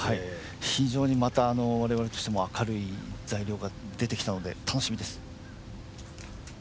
非常に、また我々としても明るい材料が出てきたので楽しみです。